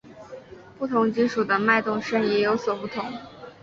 不同金属的脉动声也有所不同。